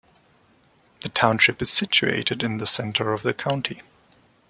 The township is situated in the center of the county.